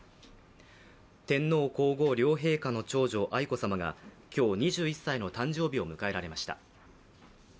天皇皇后両陛下の長女・愛子さまが今日２１歳の誕生日を迎えられました。